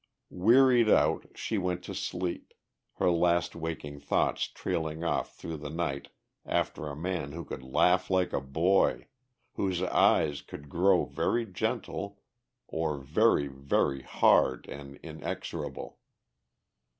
Wearied out, she went to sleep, her last waking thoughts trailing off through the night after a man who could laugh like a boy, whose eyes could grow very gentle or very, very hard and inexorable.